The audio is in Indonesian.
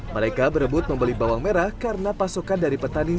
mereka berebut membeli bawang merah karena pasokan dari petani